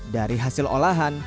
dari hasil olah